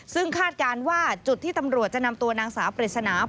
ซึ่งคาดการณ์ว่าจุดที่ตำรวจจะนำตัวนางสาวปริศนา